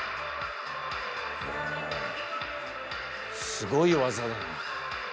すごい技だな。